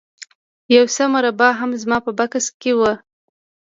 یو څه مربا هم زما په بکس کې وه